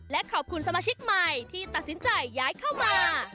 และขอบคุณสมาชิกใหม่ที่ตัดสินใจย้ายเข้ามา